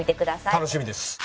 楽しみです。